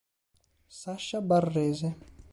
Sasha Barrese